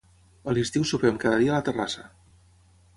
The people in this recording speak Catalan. A l'estiu sopem cada dia a la terrassa.